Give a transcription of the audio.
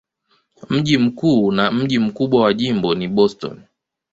Mji mkuu na mji mkubwa wa jimbo ni Boston.